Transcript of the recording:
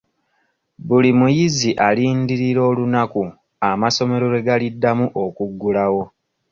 Buli muyizi alindirira olunaku amasomero lwe galiddamu okuggulawo.